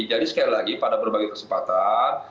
jadi sekali lagi pada berbagai kesempatan